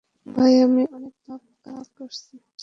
ভাই আমি অনেক পাপ কাজ করেছি।